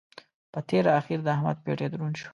په تېره اخېر د احمد پېټی دروند شو.